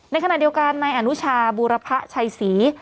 ในขณะเดียวกันนายอนุชาบูรพะชัยศรี